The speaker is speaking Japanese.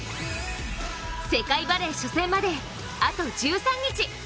世界バレー初戦まであと１３日。